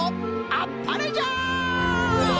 あっぱれじゃ！